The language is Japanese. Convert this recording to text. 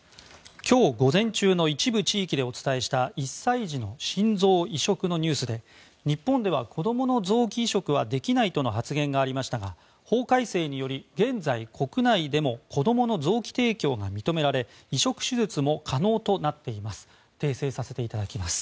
今日午前中の一部地域でお伝えした１歳児の心臓移植のニュースで日本では子どもの臓器移植はできないとの発言がありましたが法改正により、現在国内でも子どもの臓器提供が認められ移植手術も可能となっています。